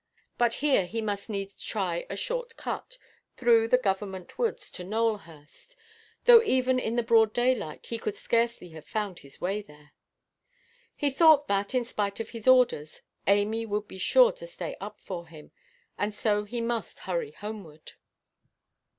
But here he must needs try a short cut, through the Government Woods, to Nowelhurst, though even in the broad daylight he could scarcely have found his way there. He thought that, in spite of his orders, Amy would be sure to stay up for him, and so he must hurry homeward.